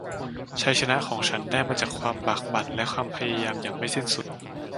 ชัยชนะของฉันได้มาจากความบากบั่นและความพยายามอย่างไม่สิ้นสุด